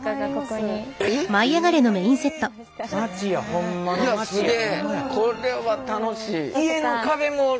これは楽しい。